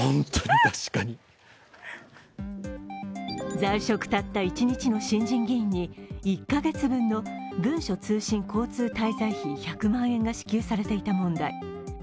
在職たった一日の新人議員に１カ月分の文書通信交通滞在費１００万円が支給されていた問題。